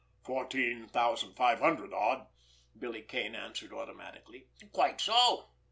"Fourteen thousand five hundred odd," Billy Kane answered automatically. "Quite so!"